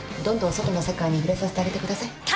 どんどん外の世界に触れさせてあげてください。